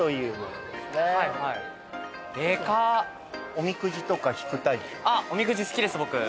おみくじとか引くタイプ？